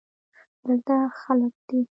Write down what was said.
دلته خلگ دی.